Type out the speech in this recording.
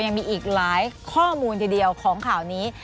ยังมีอีกหลายข้อมูลทีเดียวของข่าวนี้